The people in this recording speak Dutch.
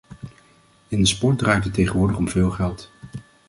In de sport draait het tegenwoordig om veel geld.